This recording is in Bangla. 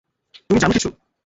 তুমি জানো কিছু?